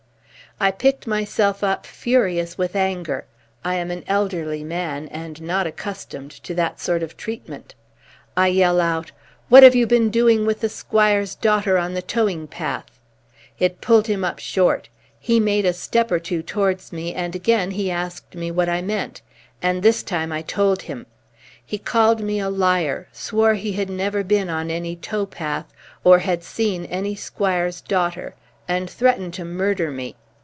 I picked myself up furious with anger. I am an elderly man and not accustomed to that sort of treatment. I yelled out: 'What have you been doing with the Squire's daughter on the towing path?' It pulled him up short. He made a step or two towards me, and again he asked me what I meant. And this time I told him. He called me a liar, swore he had never been on any tow path or had seen any squire's daughter, and threatened to murder me.